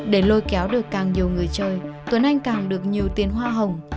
để lôi kéo được càng nhiều người chơi tuấn anh càng được nhiều tiền hoa hồng